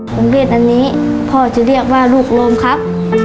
โรงเรียนอันนี้พ่อจะเรียกว่าลูกโรมครับ